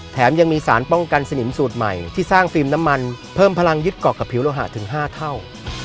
แถมยังมีสารป้องกันสนิมสูตรใหม่ที่สร้างฟิล์มน้ำมันเพิ่มพลังยึดเกาะกับผิวโลหะถึง๕เท่า